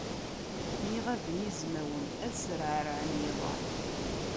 Mi ɣaben yizmawen, ad sreɛrɛen yiḍan.